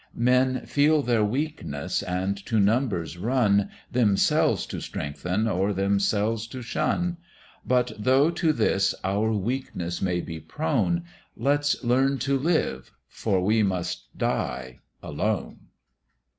Men feel their weakness, and to numbers run, Themselves to strengthen, or themselves to shun; But though to this our weakness may be prone, Let's learn to live, for we must die, alone.